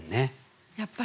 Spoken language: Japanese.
やっぱり。